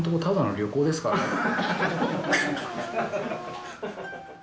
ただの旅行ですからね。